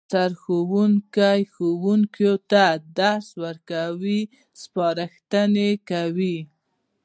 سرښوونکی ښوونکو ته د درس ورکولو سپارښتنه کوي